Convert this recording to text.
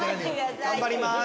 頑張ります。